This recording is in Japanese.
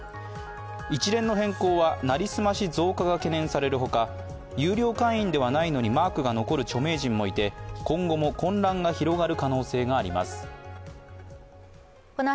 一連の変更は成り済まし増加が懸念されるほか有料会員ではないのにマークが残る著名人もいて下の子も ＫＵＭＯＮ を始めた